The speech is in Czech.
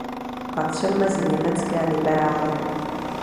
Patřil mezi německé liberály.